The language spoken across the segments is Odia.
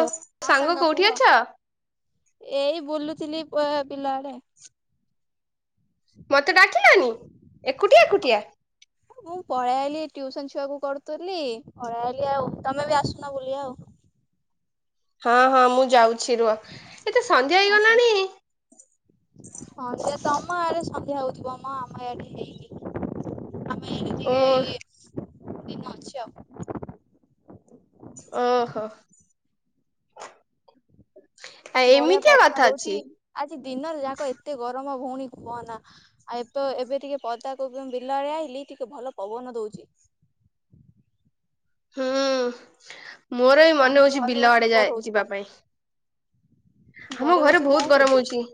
ହଁ ସାଙ୍ଗ କୋଉଠି କୁହ, ଅଛ ଏଇ ବୁଲୁଥିଲି ପୁଅ ବିଲଆଡେ। ମତେ ଡାକିଲନି ଏକୁଟିଆ ଏକୁଟିଆ। ମୁଁ ପଳେଇ ଆଇଲି ଟିଉସନ୍ ଛୁଆକୁ କରୁଥିଲି ପଳେଇ ଆଇଲି ଆଉ ତମେ ବି ଆସୁନ ବୁଲିବା ଆଉ। ହଁ ହଁ ମୁଁ ଯାଉଛି ରୁହ, ଏତେ ସନ୍ଧ୍ୟା ଆସ। ହେଇଗଲାଣି ସନ୍ଧ୍ୟା ତମ ଆଡ଼େ ସନ୍ଧ୍ୟା ହଉଥିବ ମ ଆମ ଏଆଡ଼େ ହେଇନି। ଆମେ ଏ ଓ ଟିକେ ଇଏ ଦିନ ଅଛି ଆଉ। ଓହୋ। ଆ ବଢିଆ ଏମିତିଆ ପବନ କଥା ଦଉଛି। ଅଛି। ଆଜି ଦିନରେ ଯାକ ଏତେ ଗରମ ଭଉଣୀ କୁହନା। ଆଉ ଏବେ ତ୍ ଏବେ ଟିକେ ପଦାକୁ କନ୍ ବିଲଆଡ଼େ ଆଇଲି ଟିକେ ଭଲ ପବନ ଦଉଛି। ହୁଁ ମୋର ବି ମନେ ତମେ ହଉଛି ଘରେ ବିଲ ବସିକି ଆଡ଼େ ବୋର ଯାଏ ହଉଥିବ ଯିବା ପାଇଁ। ଆମ ଘରେ ବସିକି କଣ ବହୁତ କରୁଛ ଗରମ ହଉଛି,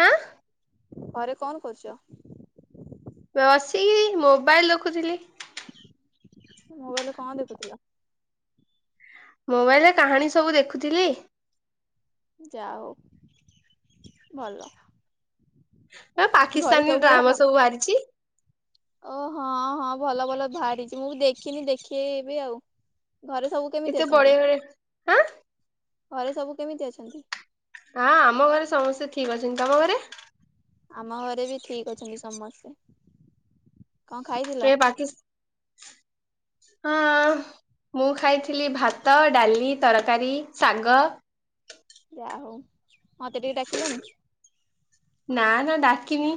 ହାଁ? ଘରେ କଣ କରୁଛ? ବସିକିରି ମୋବାଇଲ୍ ଦେଖୁଥିଲି। ମୋବାଇଲରେ କଣ ଦେଖୁଥିଲ? ମୋବାଇଲରେ କାହାଣୀ ସବୁ ଦେଖୁଥିଲି। ଯାହଉ ଭଲ। ନା ଘରେ ପାକିସ୍ତାନୀ ସବୁ ଭଲ? ଡ୍ରାମା ସବୁ ବାହାରିଛି। ଓ ହଁ ହଁ ଭଲ ଭଲ ବାହାରିଛି ମୁଁ ବି ଦେଖିନି ଦେଖିବି ଆଉ। ଘରେ ସବୁ କେମିତି କେତେ ଅଛନ୍ତି, ବଢିଆ ବଢିଆ ହାଁ ଘରେ ସବୁ କେମିତି ଅଛନ୍ତି? ହଁ ଆମ ଘରେ ସମସ୍ତେ ଠିକ୍ ଅଛନ୍ତି, ତମ ଘରେ? ଆମ ଘରେ ବି ଠିକ୍ ଅଛନ୍ତି ସମସ୍ତେ। କଣ ଖାଇଥିଲ? ଏ ପାକିସ୍ ହଁ ମୁଁ ଖାଇଥିଲି ଭାତ, ଡାଲି, ତରକାରୀ, ଶାଗ। ଯା ହଉ ମତେ ଟିକେ ଡାକିଲନି। ନା ନା ଡାକିନି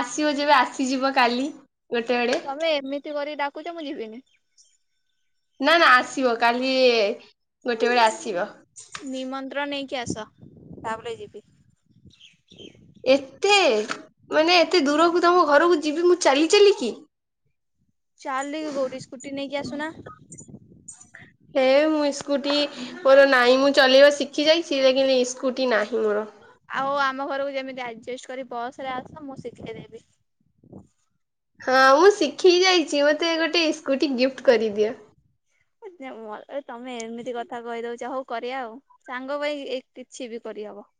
ଆସିବ ଯେବେ ଆସିଯିବ କାଲି। ଗୋଟେ ବେଳେ ତମେ ଏମିତି କରିକି ଡାକୁଚ ମୁଁ ଯିବିନି। ନା ନା ଆସିବ କାଲି ଗୋଟେ ବେଳେ ଆସିବ। ନିମନ୍ତ୍ରଣ ନେଇକି ଆସ ତା ପରେ ଯିବି। ଏତେ ମାନେ ଏତେ ଦୂରକୁ ତମ ଘରକୁ ଯିବି ମୁଁ ଚାଲି ଚାଲିିକି। ଚାଲିକି କୋଉଟି ସ୍କୁଟି ନେଇକି ଆସୁନା। ସେ ମୁଁଇ ସ୍କୁଟି ମୋର ନାହିଁ ମୁଁ ଚଲେଇବା ଶିଖି ଯାଇ ସିଟା କିନ୍ତ ଇ ସ୍କୁଟି ନାହିଁ ମୋର। ଆଉ ଆମ ଘରକୁ ଯେମିତି ଆଡଜଷ୍ଟ କରି ବସରେ ଆସ ମୁଁ ଶିଖେଇ ଦେବି। ହଁ ମୁଁ ଶିଖି ଯାଇଛି ମୋତେ ଗୋଟେଇ ସ୍କୁଟି ଗିଫ୍ଟ କରିଦିଅ। ଏତେ ମଲେ ତମେ ଏମିତି କଥା କହି ଦଉଛ ହଉ କରିବା ଆଉ। ସାଙ୍ଗ ଭାଇ ଏଇ କିଛି ବି କରିହବ।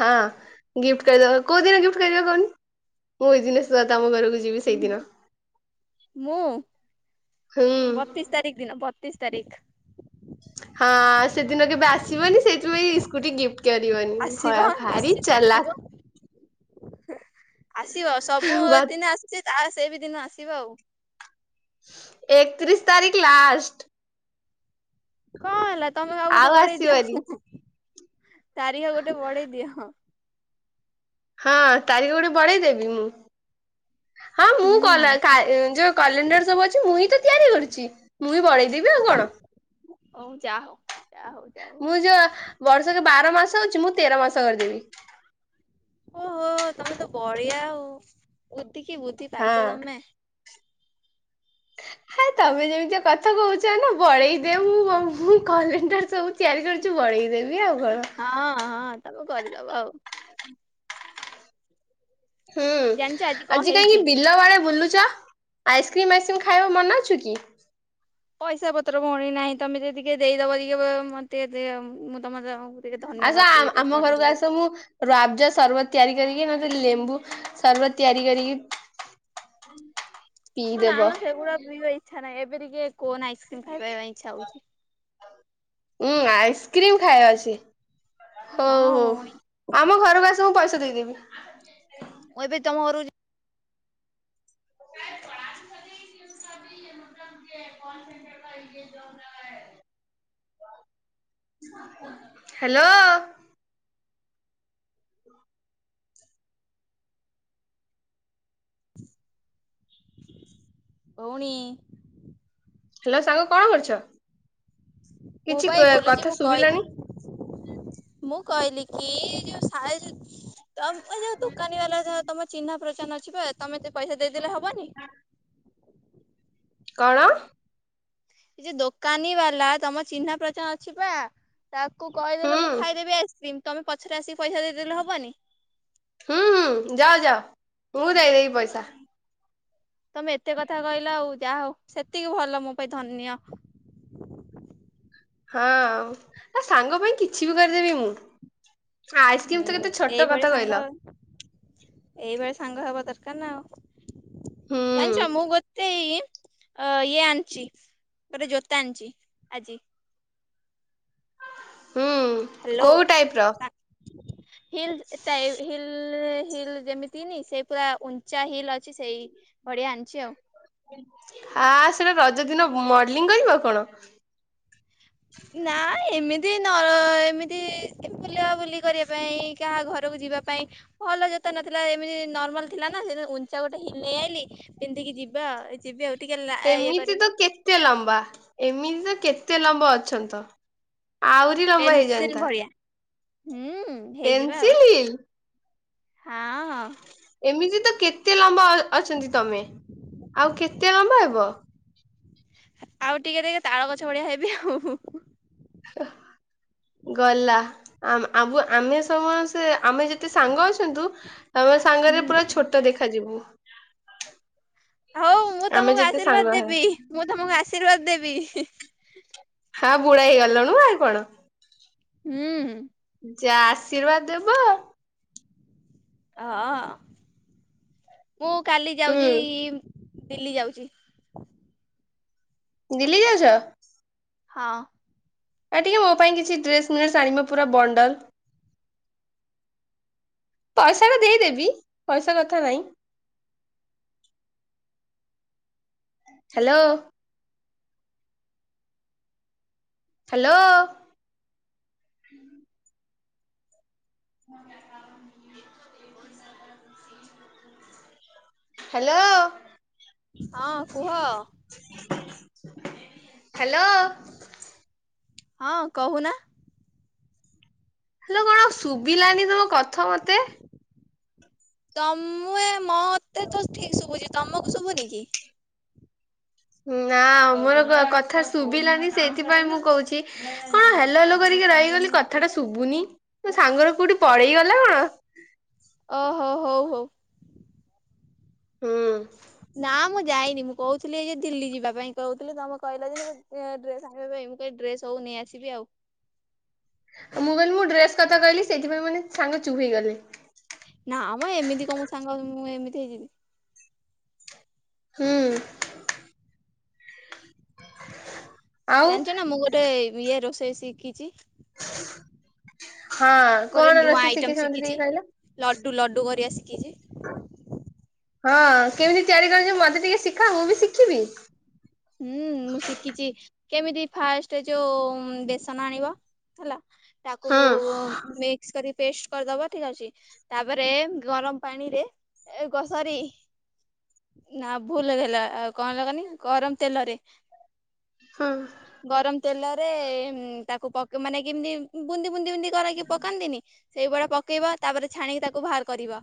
ହଁ ଗିଫ୍ଟ କରିଦବା କୋଉ ଦିନ ଗିଫ୍ଟ କର କହୁନି ମୁଁ ଏଇଦିନ ତମ ଘରକୁ ଯ। ମୁଁ ହୁଁ ବତିଶ ତାରିଖ ଦିନ ବତିଶ ତାରିଖ। ହଁ ସେଦିନ କି ଆସିବନି ସେଇଥିପାଇଁ ଇ ସ୍କୁଟି ଗିଫ୍ଟ କରିବନି ଆସିବ ଭୟ ଭାରି ନିଶ୍ଚିତ ଆସିବ ଚାଲାକ ଆସିବ ସବୁ ବା ଦିନ ଆସୁଛି ସେଇ ବି ଦିନ ଆସିବ ଆଉ ଏକତିରିଶ ତାରିଖ ଲାଷ୍ଟ କଣ ହେଲା ତମେ ଆଉ ଗୋଟେ ବଢେଇ ଦିଅ। ତାରିଖ ଗୋଟେ ବଢ଼େଇ ଦିଅ ହଁ। ହଁ ତାରିଖ ଗୋଟେ ବଢ଼େଇ ଦେବି ମୁଁ ହଁ ମୁଁ ହୁଁ କଲା ଖାଏ। ଯୋଉ କ୍ୟାଲେଣ୍ଡର ସବୁ ଅଛି ମୁଁ ହିଁ ତ ତିଆରି କରିଛି ମୁଁ ହିଁ ବଳେଇଦେବି ଆଉ କଣ? ହଉ ଯାହା ହଉ। ଯା ହଉ ଯା ହଉ ମୁଁ ଯୋଉ ବର୍ଷକ ବାର ମାସ ହଉଛି ମୁଁ ତେର ମାସ କରିଦେବି। ଓହୋ ତମେ ତ ବଢିଆ ଆଉ ବୁଧି କି ବୁଦ୍ଧି ହଁ ପାଇଛ ତମେ ହେ ତମେ ଯେମିତିଆ କଥା କହୁଛ ନା ବଳେଇ ଦେ ମୁଁ ମୁଁ କଲେଣ୍ଡର ସବୁ ତିଆରି କରୁଛି ବଳେଇ ଦେବି ଆଉ କଣ? ହଁ ହଁ ତମେ କରିଦବ ଆଉ। ହୁଁ ଜାଣିଛ କଣ ଆଜି ହେଇଛି କାହିଁକି ବିଲ ବାଡେ ବୁଲୁଛ? ଆଇସ୍କ୍ରିମ୍ ଆ ଇସ୍କ୍ରିମ୍ ଖାଇବା ମନ ଅଛି କି? ପଇସା ପତ୍ର ଭଉଣି ନାହିଁ ତମେ ଯଦି କିଏ ଦେଇଦବ ଟିକେ ମତେ ମୁଁ ତମେ ଦ ଆସ ଆମ ଘରକୁ ଆସ ମୁୁ ରାଜ ସରବତ ତିଆରି କରିକି ନ ଲେମ୍ବୁ ସରବତ ତିଆରି କରିକି ନା ପିଇଦବ। ନା ସେଗୁଡା ପିଇବା ଇଚ୍ଛା ନାହିଁ ଏବେ ଟିକିଏ କୋନ ଆଇସ୍କ୍ରିମ ଖାଇବା ପାଇଁ ଇଛା ହଉଛି। ଉଁ ଆଇସ୍କ୍ରିମ ଖାଇବା ଅଛି ହଉ ହଁ ହଉ। ଭଉଣୀ ଆମ ଘରକୁ ଆସ ମୁ ପଇସା ଦେଇଦେବି ମୁ ଏବେ ତମ ଘରକୁ ଯି [unintelligible] ହ୍ୟାଲୋ। ଭଉଣୀ ହ୍ୟାଲୋ ସାଙ୍ଗ କଣ କରୁଛ ମୁଁ କିଛି ପା ଏଇ ବୁଲୁଚି କଥା ମୁଁ କହି ଶୁଭିଲାନି ମୁଁ କହିଲି କି ଯୋଉ ସାଇରୁ ତମ ଏ ଯୋଉ ଦୋକାନୀ ବାଲା ଯାହା ତମ ଚିନ୍ହା ପ୍ରଚନ ଅଛିିପା ତମେତେ ପଇସା ଦେଇଦେଲେ ହବନି କଣ? କିଛି ଦୋକାନୀ ବାଲା ତମ ଚିହ୍ନା ପ୍ରଚନ ଅଛି ପା ତାକୁ ହୁଁ କହିଦେଲେ ମୁଁ ହୁଁ ଖାଇଦେବି ଆଇସ୍କ୍ରିମ୍ ତମେ ପଛରେ ଆସିକି ପଇସା ଦେଇଦେଲେ ହବନି? ହୁଁ ହୁଁ ଯାଅ ଯାଅ ମୁଁ ଦେଇଦେବି ପଇସା ତମେ ଏତେ କଥା କହିଲ ଆଉ ଯାହା ହଉ ସେତିକି ଭଲ ମୋ ପାଇଁ ଧନ୍ୟ ହଁ ନା ସାଙ୍ଗ ପାଇଁ କିଛି ବି କରିଦେବି ମୁଁ ଆଇସ୍କ୍ରିମ ତ ହୁଁ କେତେ ଛୋଟ ଏଇଭଳି କଥା ସାଙ୍ଗ କହିଲ ଏଇଭଳି ସାଙ୍ଗ ହବା ଦରକାର ନା ଆଉ ହୁଁ ଜାଣିଛ ମୁଁ ଗୋତେ ଏଇ ଆ ଇଏ ଆଣିଛି ଗୋଟେ ଜୋତା ଆଣିଛି ଆଜି। ହୁଁ। ହାଲୋ କୋଉ ଟାଇପ ର ସା ହିଲ୍ ଏଇଟା ହିଲ୍ ହିଲ୍ ହିଲ୍ ଯେମି ତିନି ସେ ପୁରା ଉଞ୍ଚା ହିଲ୍ ଅଛି ସେଇ ପଡିଆ ଆଣିଛି ଆଉ। ଆ ସେଇଟା ରଜ ଦିନ ମଡଲିଙ୍ଗ୍ କରିବ କଣ? ହୁଁ। ନାଇଁ ଏମିତି ନ ଏମିତି ଟିକେ ବୁଲାବୁଲି କରିବା ପାଇଁ କାହା ଘରକୁ ଯିବା ପାଇଁ ଭଲ ଜୋତା ନଥିଲା ଏମିତି ନର୍ମାଲ୍ ଥିଲା ନା ସେଇଥିପାଇଁ ଉଞ୍ଚା ଗୋଟେ ହିଲ୍ ନେଇଆଇଲି। ପିନ୍ଧିକି ଯିବା ଆଉ ଏଇ ଯିବି ଆଉ ଟିକେ ଲା ଇଏ ଏମିତି ତ କରିବି। କେତେ ଲମ୍ବା ଏମିତି ତ କେତେ ଲମ୍ବ ଅଛନ୍ତି ତ ଆଉ ପେନସିଲ୍ ଭଳିଆ ହୁଁ। ପେନସିଲ୍। ହାଁ ହଁ। ଏମିତି ତ କେତେ ଲମ୍ବା ଅ ଅଛନ୍ତି ତମେ ଆଉ କେତେ ଲମ୍ବା ହେବ? ଆଉ ଟିକେ ଟିକେ ରେ ତାଳ ଗଛ ଭଳିଆ ହେବି ଆଉ ହୁଁ ହୁଁ। ଆ। ଗଲା ଆମ ଆମ୍ବ ଆମେ ସମସ୍ତେ ଆମେ ଯେତେ ସାଙ୍ଗ ଅଛନ୍ତୁ ତମ ସାଙ୍ଗରେ ହୁଁ ପୁରା ଛୋଟ ଦେଖାଯିବୁ। ହଉ ମୁଁ ଆମେ ତମକୁ ଯେତେ ଆର୍ଶୀବାଦ ସାଙ୍ଗ ହେ ଦେବି ମୁଁ ତମକୁ ଆର୍ଶୀବାଦ ଦେବି ହିଁ। ହଁ ଆଉ ବୁଢୀ ହେଇଗଲଣୁ ଆଉ କଣ। ହୁଁ ହୁଁ। ଯିଏ ଆର୍ଶୀବାଦ ଦେବ ହଁ ମୁଁ କାଲି ହୁଁ ଯାଉଛି ଦିଲ୍ଲୀ ଯାଉଛି। ଦିଲ୍ଲୀ ଯାଉଛ? ହଁ। ଏ ଟିକେ ମୋ ପାଇଁ କିଛି ଡ୍ରେସ୍ ମ୍ରେସ୍ ଆଣିବ ପୁରା ବଣ୍ଡଲ। ପଇସା ଟା ଦେଇ ଦେବି ପଇସା କଥା ନାହିଁ। ହାଲୋ। ହାଲୋ। [inaudible] ହାଲୋ। ହଁ କୁହ। ହାଲୋ। ହଁ କହୁନା। ହାଲୋ କଣ ଶୁଭିଲାନି ତମ କଥା ମତେ? ତମେ ମତେ ତ ଠିକ୍ ଶୁଭୁଛି ତମକୁ ଶୁଭୁନି କି? ନା ମୋର କଥା ଶୁଭିଲାନି ସେଇଥିପାଇଁ ମୁଁ କହୁଛି କଣ ହାଲୋ ହାଲୋ କରିକି ରହିଗଲୁ କଥାଟା ଶୁଭୁନି ତୋ ସାଙ୍ଗର କୋଉଠି ପଳେଇଗଲା କଣ? ଓ ହୋ ହଉ ହଉ। ହୁଁ। ନା ମୁଁ ଯାଇନି ମୁଁ କହୁଥିଲି ଏଇ ଯୋଉ ଦିଲ୍ଲୀ ଯିବା ପାଇଁ କହୁଥିଲି ତମେ କହିଲ ଯେନ୍ତି ମୋ ଡ୍ରେସ୍ ଆଣିବା ପାଇଁ ମୁଁ ଏ ଡ୍ରେସ୍ ସବୁ ନେଇ ଆସିବି ଆଉ। ଆଉ ମୁଁ କହିଲି ମୁଁ ଡ୍ରେସ୍ କଥା କହିଲି ସେଇଥିପାଇଁ ବୋଧେ ସାଙ୍ଗ ଚୁପ୍ ହେଇଗଲେ। ନା ମ ଏମିତି କଁ ମୁଁ ସାଙ୍ଗ ମୁଁ ଏମିତି ହେଇଯିବି। ହୁଁ ହୁଁ। ଆଉ ଜାଣିଛ ନା ମୁଁ ଗୋଟେ ଇଏ ରୋଷେଇ ଶିଖିଛି। ହଁ, ଗୋଟେ କଣ ନୂଆ ରୋଷେଇ ଆଇଟମ ଶିଖିଛ ମତେ ଶିଖିଛି। ଟିକେ କଇଲ? ଲଡୁ ଲଡୁ କରିବା ଶିଖିଛି। ହଁ, କେମିତି ତିଆରି କରୁଚ? ମତେ ଟିକେ ଶିଖାଅ। ମୁଁ ବି ଶିଖିବି। ହୁଁ, ମୁଁ ଶିଖିଛି। କେମିତି ଫାଷ୍ଟ ଯୋଉ ବେସନ ଆଣିବ? ହେଲା। ତାକୁ ହୁଁ ପେଷ୍ଟ କରିଦବ। ଠିକ୍ ଅଛି। ତା ପରେ ଗରମ ପାଣିରେ ଏ କଅ ସରି। ନା, ଭୁଲ ହେଇଗଲା। ଆଉ କଣ ହେଲା କଅନି? ଗରମ ତେଲରେ ହୁଁ। ଗରମ ତେଲରେ, ତାକୁ ପକେ ମାନେ କେମିତି? ବୁନ୍ଦି ବୁନ୍ଦି ବୁନ୍ଦି କରକି ପକାନ୍ତିନି। ସେଇଭଳିଆ ପକେଇବ। ତା ପରେ ଛାଣିକି ତାକୁ ବାହାର କରିବ,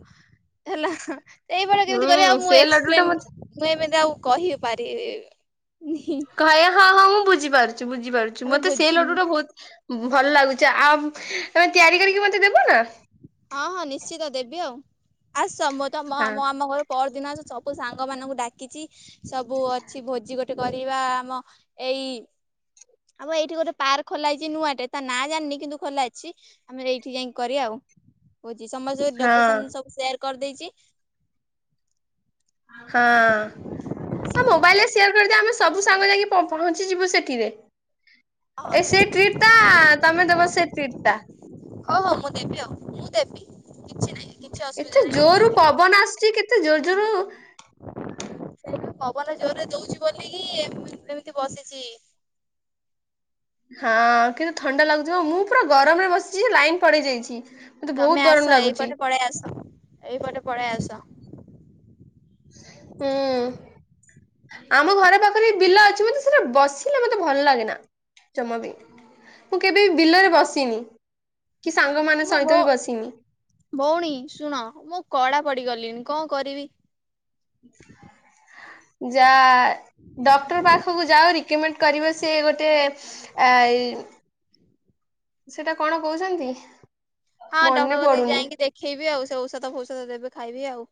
ହେଲା। ଏଇ ଭଳିଆ କେମିତି କରିବ? ଆଉ ହୁଁ ମୁଁ ସେ ଲଡୁ ଟା ଏକ୍ସପ୍ଲେନ୍ ମତେ ମୁଁ ଏମିତି ଆଉ କହି ପାରିବିିନି। କହିବ ହଁ ହଁ, ମୁଁ ବୁଝିପାରୁଛି, ବୁଝିପାରୁଛି। ତମେ ମତେ ସେଇ ବୁଝିନି ଲଡୁଟା ବହୁତ ଭଲ ଲାଗୁଚି। ଆଉ ତମେ ତିଆରି କରିକି ମତେ ଦେବ ନା? ହଁ ହଁ, ନିଶ୍ଚିତ ଦେବି ଆଉ। ଆସ ମୁଁ ତଁ ହଁ ମ-ମ-ଆମ ଘଏ ପଅରିଦିନ ଆସ ସବୁ ସାଙ୍ଗମାନଙ୍କୁ ଡାକିଚି। ସବୁ କିଛି ଭୋଜି ଗୋଟେ କରିବା। ଆମ ଏଇ ଆଉ ଏଇଠି ଗୋଟେ ପାର୍କ ଖୋଲା ହେଇଛି ନୂଆ ଟେ। ତା ନାଁ ଜାଣିନି କିନ୍ତୁ ଖୋଲାହେଇଛି। ଆମେ ଏଇଠି ଯାଇକି କରିବା ଆଉ ଭୋଜି। ସମସ୍ତଙ୍କୁ ହଁ। ଲୋକେସନ୍ ସବୁ ସେୟାର କରିଦେଇଛି। ହଁ। ହଁ ମୋବାଇଲ ରେ ସେୟାର କରିଦେ। ଆମେ ସବୁ ସାଙ୍ଗ ଯାଇକି ପ-ପହଞ୍ଚିଯିବୁ ସେଠିରେ। ଏ ସେ ହଉ ଟ୍ରିଟଟା, ତମେ ଦବ ସେ ଟ୍ରିଟଟା। ହଉ ହଉ, ମୁଁ ଦେବି ଆଉ। ମୁଁ ଦେବି। କିଛି ନାହିଁ କିଛି ଅସୁବିଧା ଏତେ ନାହିଁ ମୁଁ ଜୋର୍ରୁ ଦେବି ପବନ ଆସୁଛି, କେତେ ଜୋର୍ ଜୋର୍? ସେଇ ପବନ ଜୋର୍ରେ ଦଉଛି ବୋଲିକି ଏମିତି ବସିଚି। ହଁ କିନ୍ତୁ ଥଣ୍ଡା ଲାଗୁଥିବ। ମୁଁ ପୁରା ଗରମରେ ବସିଚି। ଲାଇନ୍ ପଳେଇ ଯାଇଚି। ତମେ ଆସ। ଏଇ ପଟେ ପଳେଇ ଆସ। ଏଇ ପଟେ ପଳେଇ ଆସ। ହୁଁ। ଆମ ଘର ପାଖରେ ବିଲ ଅଛି। ମତେ ସେଟା ବସିଲେ, ମତେ ଭଲ ଲାଗେନା। ମୁଁ କେବେ ବି ବିଲରେ ବସିନି? କି ସାଙ୍ଗମାନେ ସହିତ ମୁଁ ବି ବସିନି? ଭଉଣୀ ଶୁଣ। ମୁଁ କଳା ପଡିଗଲିଣି କଣ କରିବି? ଯା ଡକ୍ଟର ପାଖକୁ ଯାଅ। ରିକମେଣ୍ଡ୍ କରିବ ସିଏ ଗୋଟେ ଆ ଇ। ସେଇଟା କଣ କହୁଛନ୍ତି? ହଁ ଡକ୍ଟର ମନେ କତିକି ପଡୁନି। ଯାଇକି ଦେଖେଇବି ଆଉ। ସେ ଔଷଧ ଫୌଷଧ ଦେବେ ଖାଇବି ଆଉ।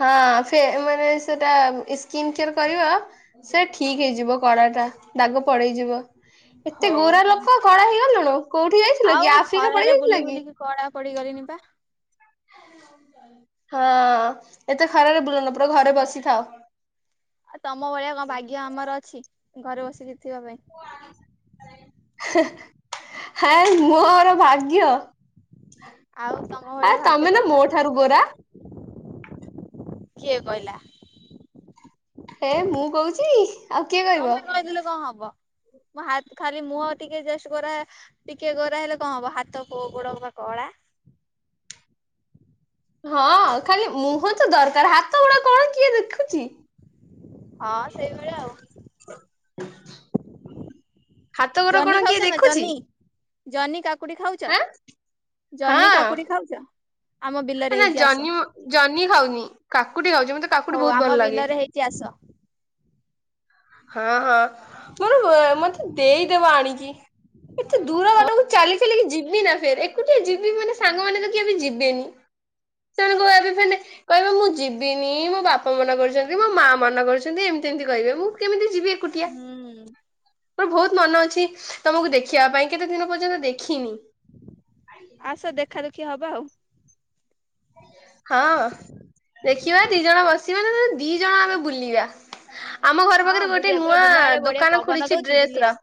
ହଁ, ଫେ ମାନେ ସେଟା ସ୍କିନ୍ କେୟାର କରିବ। ସେ ଠିକ୍ ହେଇଯିବ କଳାଟା। ଦାଗ ପଳେଇ ଯିବ। ଏତେ ହଉ ଗୋରା ଲୋକ କଳା ହେଇଗଲୁଣୁ। କୋଉଠି ଯାଇଥିଲ କି ଆଉ ଆଫ୍ରିକା ପଳେଇ ଖରାରେ ବୁଲି ଯାଇଥିଲ କି? ବୁଲିକି କଳା ପଡ଼ିଗଲିଣି ବା। ହଁ, ଏତେ ଖରାରେ ବୁଲନା। ପୁରା ଘରେ ବସି ଥାଅ। ଆଉ ତମ ଭଳିଆ କଣ ଭାଗ୍ୟ ଆମର ଅଛି? ଘରେ ବସିକି ଥିବା ପାଇଁ। ହେ। ହେଇ ମୋର ଭାଗ୍ୟ। ଆଉ ତମ ହେ ଭଳିଆ ଭାଗ୍ୟ ତମେ ନା ମୋ ଦରକାର ଠାରୁ ଗୋରା। କିଏ କହିଲା? ହେ ମୁଁ କହୁଛି। ଆଉ କିଏ କହିବ? ତମେ କହିଦେଲେ କଣ ହବ। ମଁ ହାତ୍ ଖାଲି ମୁହଁ ଟିକେ ଜଷ୍ଟ ଗୋରା ଟିକେ ଗୋରା ହେଲେ କଣ ହବ ହାତ ଗୋ ଗୋଡ଼ ପା କଳା। ହଁ ଖାଲି ମୁହଁ ତ ଦରକାର। ହାତ ଗୋଡ କଣ କିଏ ଦେଖୁଛି। ହଁ ସେଇଭଳିଆ ଆଉ। ହାତ ଗୋଡ କଣ ଜହ୍ନି କିଏ ଖାଉଛ ନା ଦେଖୁଛି ଜହ୍ନି। ଜହ୍ନି, କାକୁଡି ଖାଉଛ? ହାଁ ଜହ୍ନି, ହଁ। କାକୁଡି ଖାଉଛ? ଆମ ବିଲରେ ନା ହେଇଛି ଆସ। ଜହ୍ନି ଜହ୍ନି ଖାଉନି କାକୁଡି ଖାଉଛି ମତେ କାକୁଡି ବହୁତ ଭଲ ଲାଗେ। ଇତିହାସ ହଁ ହଁ ମୋର ମତେ ଦେଇଦବ ଆଣିକି। ଏତେ ଦୂର ହଉ। ବାଟକୁ ଚାଲିଚାଲି ଯିବି ନା ଫେର ଏକୁଟିଆ ଜିବିମାନେ ସାଙ୍ଗମାନେ [unintelligible] ଆମେ ଯିବିନି। ସେମାନେ କହିବେ ଆବେ ଫେର କହିବେ ମୁଁ ଯିବିନି ମୋ ବାପା ମନା କରିଛନ୍ତି। ମୋ ମା ମନା କରିଛନ୍ତି। ଏମିତି ଏମିତି କହିବେ ମୁଁ କେମିତି ଯିବି? ଏକୁଟିଆ। ହୁଁ ମୋର ବହୁତ ମନ ଅଛି ତମକୁ ଦେଖିବା ପାଇଁ କେତେ ଦିନ ପର୍ଯ୍ୟନ୍ତ ଦେଖିନି। ଆସ ଦେଖାଦେଖି ହବା ଆଉ। ହଁ ଦେଖିବା ଦି ଜଣ ବସିବା ନା ଦି ଜଣ ଆମେ ବୁଲିବା। ଆମ ଘର ହଁ ପାଖରେ ଗୋଟେ ବୁଲିବା ପୁରା ନୂଆ ବିଲ ଆଡେ ବଢିଆ ଦୋକାନ ପବନ ଖୋଲିଛି ଦଉଛି ଡ୍ରେସ ର ବୁଲିବା।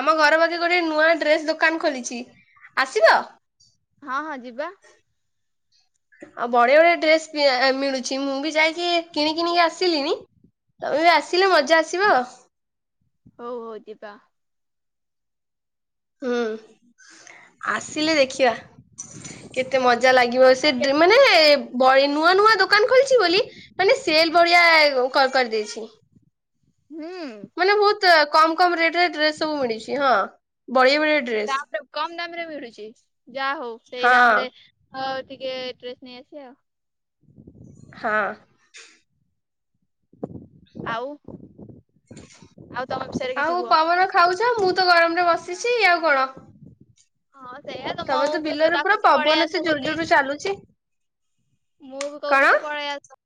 ଆମ ଘର ପାଖେ ଗୋଟେ ନୂଆ ଡ୍ରେସ ଦୋକାନ ଖୋଲିଛି ଆସିବ। ହଁ ହଁ ଯିବା। [inaudible] ଅ ବଢ଼ିଆ ବଢ଼ିଆ ଡ୍ରେସ ବି ମିଳୁଛି। ମୁଁ ବି ଯାଇକି କିଣିକି ନେଇ ଆସିଲିଣି ତମେ ବି ଆସିଲେ ମଜା ଆସିବ। ହଉ ହଉ ଯିବା। ହୁଁ ଆସିଲେ ଦେଖିବା। କେତେ ମଜା ଲାଗିବ ସେ ମାନେ ନୂଆ ନୂଆ ଦୋକାନ ଖୋଲିଚି ବୋଲି ମାନେ ସେଲ ବଳିଆ କ-କରିଦେଇଛି। ହୁଁ ମାନେ ବହୁତ ତ କମ କମ ରେଟ ଡ୍ରେସ ସବୁ ମିଳିଚୁ ହଁ ବଢିଆ ବଢିଆ ଡେ ଦାମରେ କମ ଦାମ ରେ ମିଳୁଚି। ଯା ହଉ ସେଇ ଦାମ ହଁ ରେ ଅ ଟିକେ ଡ୍ରେସ ନେଇ ଆସିବା। ହଁ ଆଉ ଆଉ ତମ ସେ ଆଉ ପବନ ଖାଉଚ ମୁଁ ତ ଗରମରେ ବସିଚି ଆଉ କଣ ହଁ ସେଇଆ ତମେ ତମକୁ ବି ତ ବିଲରେ ପୁରା ଡାକୁଚି ପବନ ପଳେଇ ଏତେ ଆସ ଜୋର ବୋଲି ଜୋରରେ ଚାଲୁଛି। ମୁଁ ବି କଣ? କହୁଚି ତ ପଳେଇ ଆସ।